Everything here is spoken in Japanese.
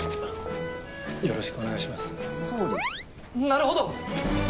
なるほど！